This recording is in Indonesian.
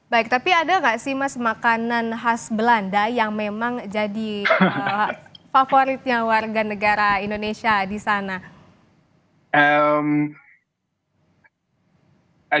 baik tapi ada nggak sih mas makanan khas belanda yang memang jadi favoritnya warga negara indonesia di sana